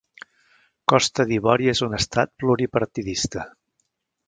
Costa d'Ivori és un estat pluripartidista.